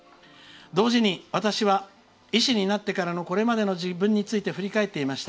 同時に私は医師になってからのこれまでの自分について振り返っていました。